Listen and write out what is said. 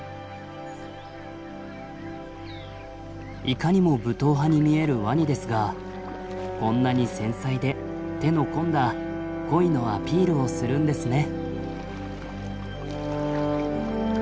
いかにも武闘派に見えるワニですがこんなに繊細で手の込んだ恋のアピールをするんですね。